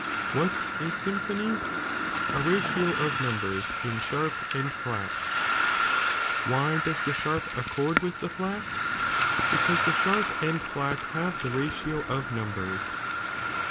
What is symphony ? a ratio of numbers in sharp and fiat. Why does the sharp accord with the flat ? because the sharp and flat have the ratio of numbers.